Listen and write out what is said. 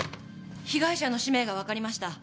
被害者の氏名がわかりました。